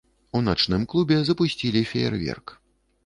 У начным клубе запусцілі феерверк.